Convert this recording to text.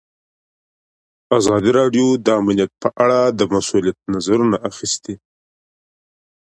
ازادي راډیو د امنیت په اړه د مسؤلینو نظرونه اخیستي.